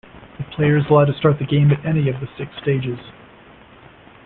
The player is allowed to start the game at any of the six stages.